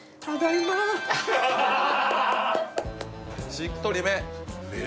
しっとりめ